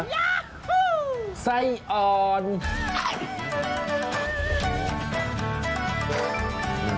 ย้าหู้